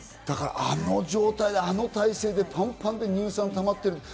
あの状態で、あの体勢でパンパンで乳酸がたまっている。